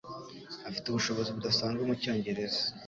Afite ubushobozi budasanzwe mucyongereza.